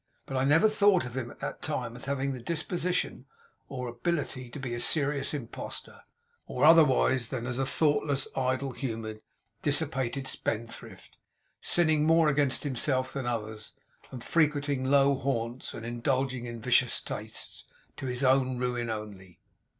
But I never thought of him at that time as having the disposition or ability to be a serious impostor, or otherwise than as a thoughtless, idle humoured, dissipated spendthrift, sinning more against himself than others, and frequenting low haunts and indulging vicious tastes, to his own ruin only.